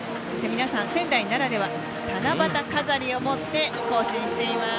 皆さん、仙台ならでは七夕飾りを持って行進しています。